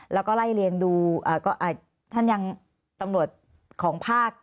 แล้วก็ไล่เรียงดูก็ท่านยังตำรวจของภาค